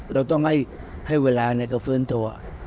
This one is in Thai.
เราต้องให้เวลาเขาฟื้นตัว